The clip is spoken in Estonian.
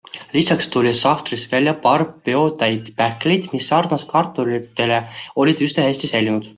Lisaks tuli sahvrist välja paar peotäit pähkleid, mis sarnaselt kartulitele olid üsna hästi säilinud.